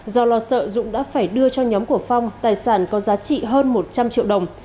do lo sợ dũng đã phải đưa cho nhóm của phong tài sản có giá trị hơn một trăm linh triệu đồng